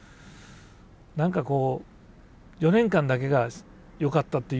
何か４年間だけがよかったっていうね